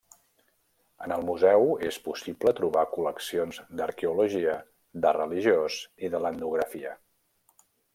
En el museu és possible trobar col·leccions d'arqueologia, d'art religiós i de l'etnografia.